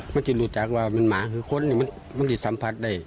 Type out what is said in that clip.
มันจะรู้จักว่ามันหมาคือคนบางทีสัมผัสได้